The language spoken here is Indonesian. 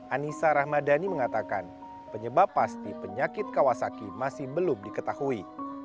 anissa rahmadani mengatakan penyebab pasti penyakit kawasaki masih belum diketahui